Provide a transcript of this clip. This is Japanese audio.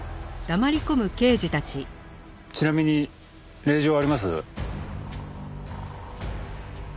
ちなみに令状はあります？